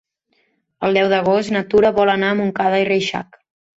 El deu d'agost na Tura vol anar a Montcada i Reixac.